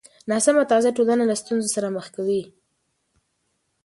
ناسمه تغذیه ټولنه له ستونزو سره مخ کوي.